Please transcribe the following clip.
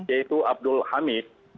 yaitu abdul hamid